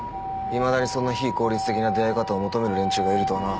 いまだにそんな非効率的な出会い方を求める連中がいるとはな。